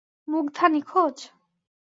মুগ্ধা নিখোঁজ?